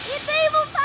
itu ibu pak